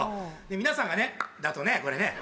皆さんがね、あとね、これね。